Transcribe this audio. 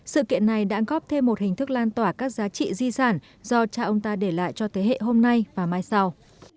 sự kiện này đã góp thêm một hình thức lan tỏa các giá trị di sản do cha ông ta để lại cho thế hệ hôm nay và mai sau